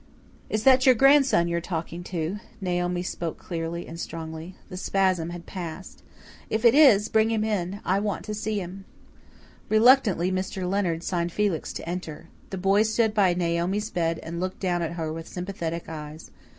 "Is that your grandson you're talking to?" Naomi spoke clearly and strongly. The spasm had passed. "If it is, bring him in. I want to see him." Reluctantly, Mr. Leonard signed Felix to enter. The boy stood by Naomi's bed and looked down at her with sympathetic eyes.